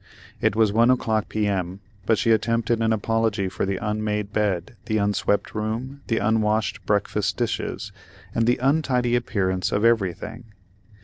It was one o'clock, P.M., but she attempted an apology for the unmade bed, the unswept room, the unwashed breakfast dishes, and the untidy appearance of everything.